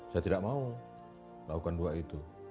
saya tidak mau lakukan dua itu